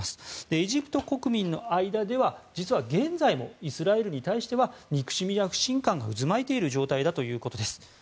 エジプト国民の間では実は現在もイスラエルに対しては憎しみや不信感が渦巻いている状態だということです。